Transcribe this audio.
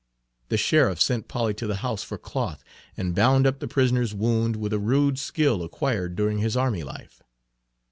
The sheriff sent Polly to the house for cloth, and bound up the prisoner's wound with a rude skill acquired during his army life.